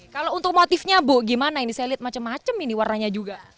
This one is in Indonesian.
kalau untuk motifnya bu gimana ini saya lihat macam macam ini warnanya juga